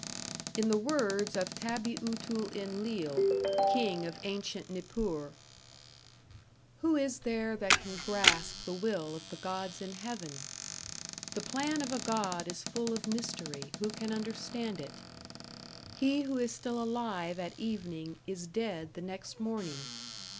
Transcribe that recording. In the words of Tabi utul Enlil, King of ancient Nippur: Who is there that can grasp the will of the gods in heaven? The plan of a god is full of mystery who can understand it? He who is still alive at evening is dead the next morning.